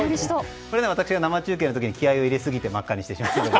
これは私が生中継の時に気合を入れすぎて真っ赤にしてしまいました。